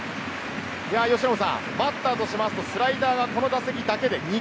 由伸さん、バッターとしますと、スライダーがこの打席だそうなんですよね。